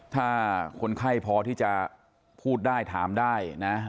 ถ้าคนไข้พอที่จะพูดได้ถามได้นะ